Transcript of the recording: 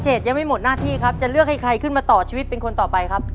ยังไม่หมดหน้าที่ครับจะเลือกให้ใครขึ้นมาต่อชีวิตเป็นคนต่อไปครับ